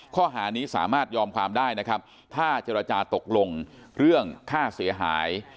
ข้อหานี้สามารถยอมความได้นะครับถ้าเจรจาตกลงเรื่องค่าเสียหาย